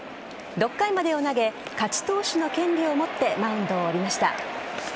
６回まで投げ勝ち投手の権利を持ってマウンドを降りました。